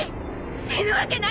死ぬわけないわ！